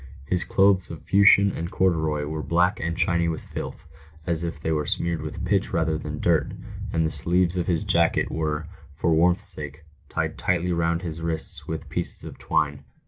His clothes of fustian and corduroy were black and shiny with filth, as if they were smeared *. with pitch rather than dirt, and the sleeves of his jacket were, for warmth's sake, tied tightly round his wrists with pieces of twine.